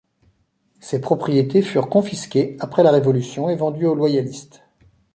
Ces propriétés furent confisquées après la révolution et vendues aux loyalistes.